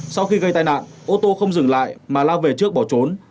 sau khi gây tai nạn ô tô không dừng lại mà lao về trước bỏ trốn